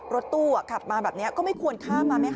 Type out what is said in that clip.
รถตู้ขับมาแบบนี้ก็ไม่ควรข้ามมาไหมค